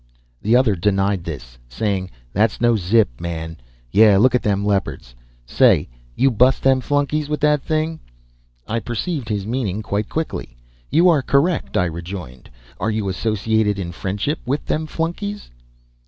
The other denied this, saying: "That no zip, man. Yeah, look at them Leopards. Say, you bust them flunkies with that thing?" I perceived his meaning quite quickly. "You are 'correct'," I rejoined. "Are you associated in friendship with them flunkies?"